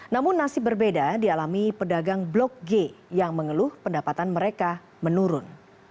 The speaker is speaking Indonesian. namun nasib berbeda dialami pedagang blok g yang mengeluh pendapatan mereka menurun